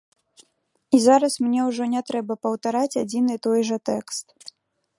І зараз мне ўжо не трэба паўтараць адзін і той жа тэкст.